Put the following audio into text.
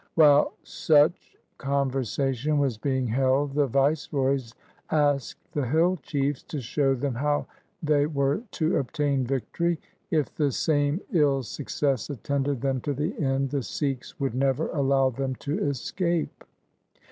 While such conversation was being held, the viceroys asked the hill chiefs to show them how they were to obtain victory. If the same ill success attended them to the end, the Sikhs would never allow them to escape.